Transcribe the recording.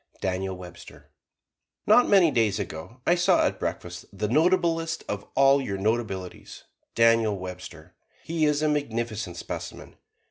DANIEL WEBSTER Not many days ago I saw at breakfast the notablest of all your notabilities, Daniel Webster. He is a magnificent specimen.